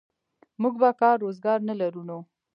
موږ به کار روزګار نه لرو نو.